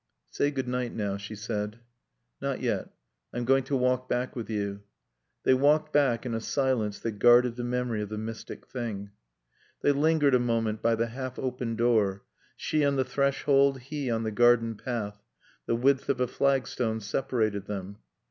"Say good night now," she said. "Not yet. I'm going to walk back with you." They walked back in a silence that guarded the memory of the mystic thing. They lingered a moment by the half open door; she on the threshold, he on the garden path; the width of a flagstone separated them.